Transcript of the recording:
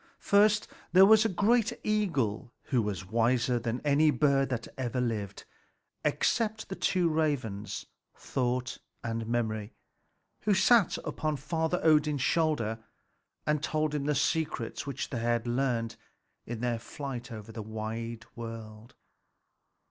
First, there was a great eagle, who was wiser than any bird that ever lived except the two ravens, Thought and Memory, who sat upon Father Odin's shoulders and told him the secrets which they learned in their flight over the wide world.